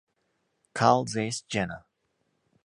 Carl Zeiss Jena